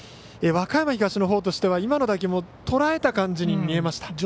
和歌山東のほうとしては今の打球もとらえた感じに見えました。